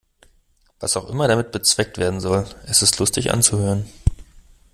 Was auch immer damit bezweckt werden soll, es ist lustig anzuhören.